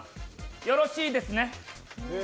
よろしいですね？